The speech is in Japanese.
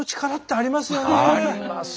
ありますよ。